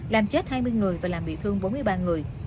làm chết hai mươi người và làm bị thương bốn mươi ba người